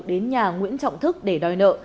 đến nhà nguyễn trọng thức để đòi nợ